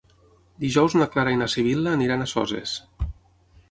Dijous na Clara i na Sibil·la aniran a Soses.